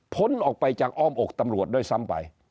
ออกไปจากอ้อมอกตำรวจด้วยซ้ำไป